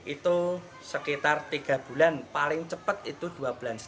itu sekitar tiga bulan paling cepat itu dua bulan